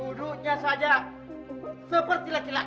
duduknya saja seperti laki laki